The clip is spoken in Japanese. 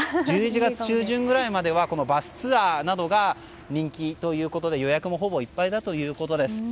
１１月中旬ぐらいまではバスツアーなどが人気ということで予約もほぼいっぱいだということです。